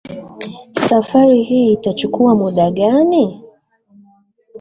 Safari hii itachukua muda gani?